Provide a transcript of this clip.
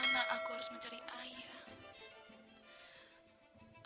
karena aku harus mencari ayah